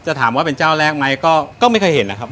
ถามว่าเป็นเจ้าแรกไหมก็ไม่เคยเห็นนะครับ